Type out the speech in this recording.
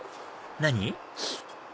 何？